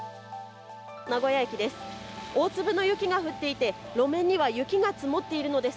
名古屋駅です。